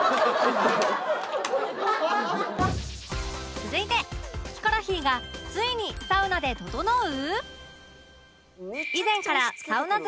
続いてヒコロヒーがついにサウナでととのう？